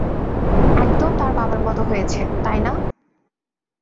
একদম তার বাবার মতো হয়েছে তাই না?